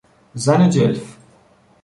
زن جلف